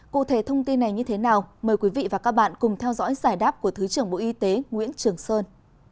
cụ thể thông tin này như thế nào mời quý vị và các bạn cùng theo dõi giải đáp của thứ trưởng bộ y tế nguyễn trường sơn